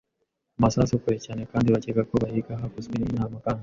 amasasu kure cyane kandi bakeka ko bahiga. Hakozwe inama, kandi